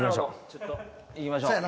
ちょっといきましょう。